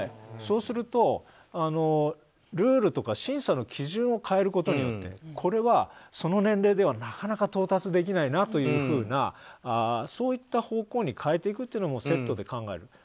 そうすると、ルールとか審査の基準を変えることになってこれは、その年齢ではなかなか到達できないなというふうなそういった方向に変えていくというのもセットで考える。